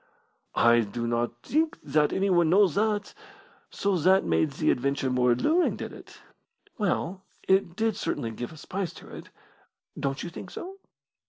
"I do not think that anyone knows that. So that made the adventure more alluring, did it?" "Well, it did certainly give a spice to it. Don't you think so?"